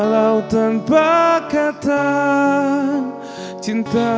gak usah nangis ya